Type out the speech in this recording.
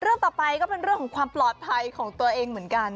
เรื่องต่อไปก็เป็นเรื่องของความปลอดภัยของตัวเองเหมือนกัน